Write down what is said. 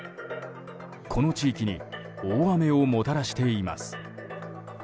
この地域に大雨をもたらしています。